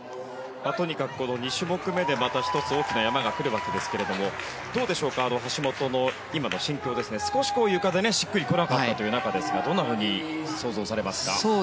とにかくこの２種目めでまた１つ大きな山が来るわけですがどうでしょうか橋本の今の心境ゆかでしっくりこなかったという中ですがどんなふうに想像されますか。